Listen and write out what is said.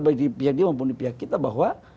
baik di pihak dia maupun di pihak kita bahwa